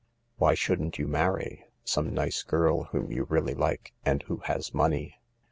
Why shouldn't you marry ? Some nice girl whom you really like and who has money."